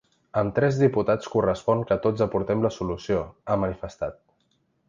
Amb tres diputats correspon que tots aportem la solució, ha manifestat.